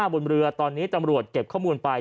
บนเรือตอนนี้ตำรวจเก็บข้อมูลไป